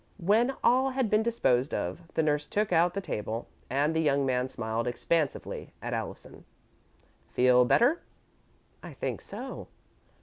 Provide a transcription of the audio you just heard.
When all had been disposed of, the nurse took out the table, and the young man smiled expansively at Allison. "Feel better?" "I think so."